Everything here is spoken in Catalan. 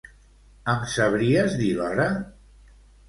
Em sabries dir l'hora?